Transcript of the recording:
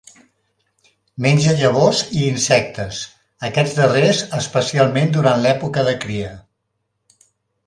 Menja llavors i insectes, aquests darrers especialment durant l'època de cria.